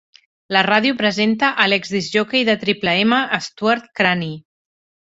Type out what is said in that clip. La radio presenta a l'exdiscjòquei de Triple M, Stuart Cranney.